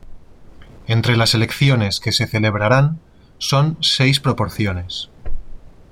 Entre las elecciones que se celebrarán son seis proporciones.